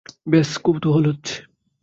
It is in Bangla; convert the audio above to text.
ব্যস কৌতুহল হচ্ছে।